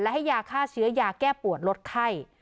และให้ยาฆ่าเชื้อยาแก้ปวดลดไข้